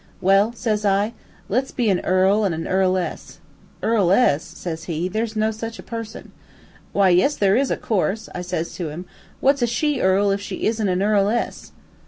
"'Well,' says I, 'let's be an earl an' a earl ess.' "'Earl ess'? says he, 'there's no such a person.' "'Why, yes there is, of course,' I says to him. 'What's a she earl if she isn't a earl ess?'